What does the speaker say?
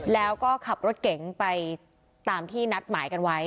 แล้วก็ขับรถเก๋งไปตามที่นัดหมายกันไว้